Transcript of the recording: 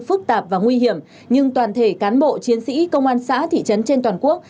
phức tạp và nguy hiểm nhưng toàn thể cán bộ chiến sĩ công an xã thị trấn trên toàn quốc